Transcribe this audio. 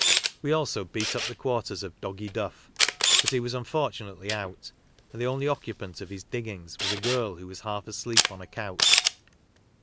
"We also beat up the quarters of Boggy Duff, but he was unfortunately out, and the only occupant of his "diggings" was a girl who was half asleep on a couch.